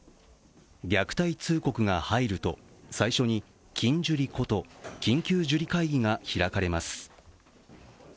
虐待通告が入ると最初にキンジュリこと緊急受理会議が開かれます。